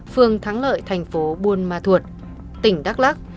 phương thắng lợi thành phố buôn ma thuột tỉnh đắk lắc